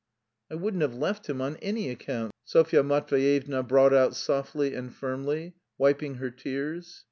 "I wouldn't have left him on any account," Sofya Matveyevna brought out softly and firmly, wiping her tears.